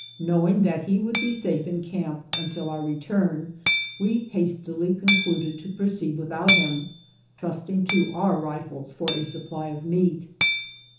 Knowing that he would be safe in camp until our return, we hastily concluded to proceed without him, trusting to our rifles for a supply of meat.